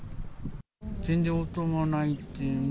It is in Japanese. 全然応答がないっていう。